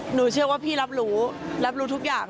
หนูเชื่อว่าพี่รับรู้รับรู้ทุกอย่าง